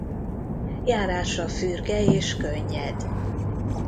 Járása fürge és könnyed.